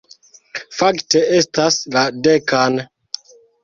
Fakte, estas la dekan...